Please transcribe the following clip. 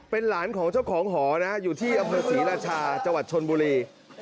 เป็นหลานของเจ้าของหอนะอยู่ที่อำเภอศรีราชาจังหวัดชนบุรี